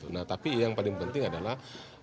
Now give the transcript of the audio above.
nah tapi yang paling penting adalah